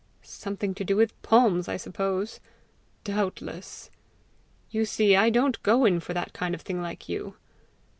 "Something to do with palms, I suppose." "Doubtless." "You see I don't go in for that kind of thing like you!"